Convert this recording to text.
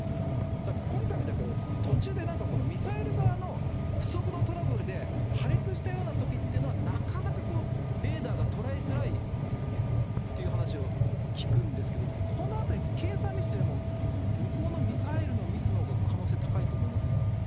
ただ今回みたく、途中でミサイル側の不測のトラブルで、破裂したようなときっていうのは、なかなかレーダーが捉えづらいという話を聞くんですけど、このあたり、計算ミスというよりも、向こうのミサイルのミスのほうが可能性高いと思いませんか。